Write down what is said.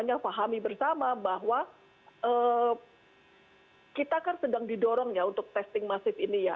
kita pahami bersama bahwa kita kan sedang didorong ya untuk testing masif ini ya